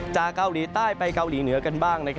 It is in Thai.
จากเกาหลีใต้ไปเกาหลีเหนือกันบ้าง